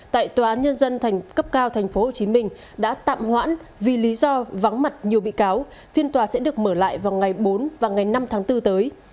tại tòa án nhân dân cấp cao tp hcm đã tạm hoãn vì lý do vắng mặt nhiều bị cáo phiên tòa sẽ được mở lại vào ngày bốn và ngày năm tháng bốn tới